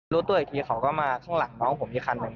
รู้ตัวอีกทีเขาก็มาข้างหลังน้องผมอีกคันหนึ่ง